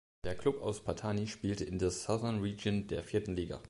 Der Klub aus Pattani spielte in der Southern Region der vierten Liga.